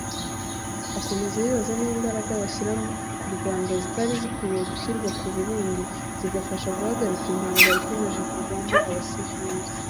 Akomeza yibaza niba imbaraga bashyira ku Rwanda zitari zikwiye gushyirwa ku Burundi zigafasha guhagarika intambara ikomeje kugwamo abasivili